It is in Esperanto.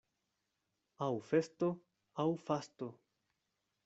Aŭ festo, aŭ fasto.